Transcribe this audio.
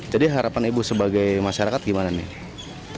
harapan ibu sebagai masyarakat gimana nih